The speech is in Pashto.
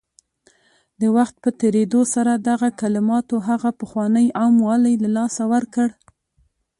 د وخت په تېرېدو سره دغه کلماتو هغه پخوانی عام والی له لاسه ورکړ